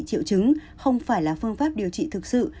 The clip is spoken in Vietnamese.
triệu chứng không phải là phương pháp điều trị thực sự